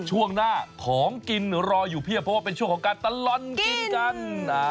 ช่วงหน้าของกินรออยู่เพียบเพราะว่าเป็นช่วงของการตลอดกินกัน